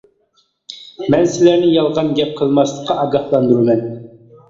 مەن سىلەرنى يالغان گەپ قىلماسلىققا ئاگاھلاندۇرىمەن.